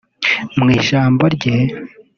Mu ijambo rye